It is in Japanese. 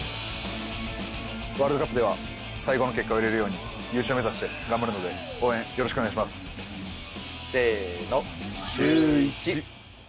ワールドカップでは、最高の結果を得られるように優勝目指して頑張るので、応援よろしくお願せーの、シューイチ。